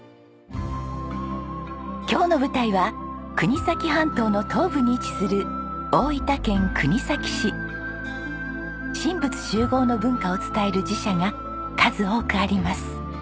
今日の舞台は国東半島の東部に位置する神仏習合の文化を伝える寺社が数多くあります。